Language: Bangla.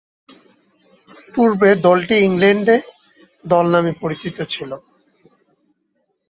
পূর্বে দলটি ইংল্যান্ড এ দল নামে পরিচিত ছিল।